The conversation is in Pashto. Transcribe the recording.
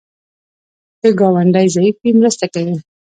که ګاونډی ضعیف وي، مرسته کوه